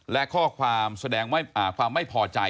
และข้อความแสดงความไม่พอใจ